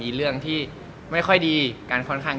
แต่เรายังไม่มีอะไรที่ไม่ดีใช่ไหม